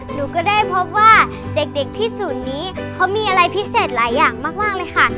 หนูก็ได้พบว่าเด็กที่ศูนย์นี้เขามีอะไรพิเศษหลายอย่างมากเลยค่ะ